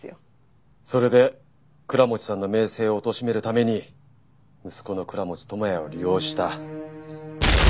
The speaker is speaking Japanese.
それで倉持さんの名声をおとしめるために息子の倉持智也を利用した。